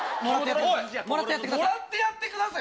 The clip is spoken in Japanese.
もらってやってください。